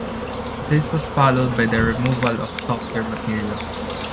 This was followed by the removal of softer material.